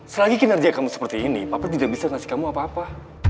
selagi kinerja kamu seperti ini papa tidak bisa ngasih kamu apa apa